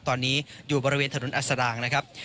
ตอนนี้อยู่บริเวณถนนอัศรางนะครับ